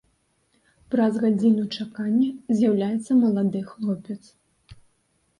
Праз гадзіну чакання з'яўляецца малады хлопец.